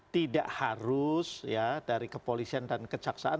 tidak harus ya dari kepolisian dan kejaksaan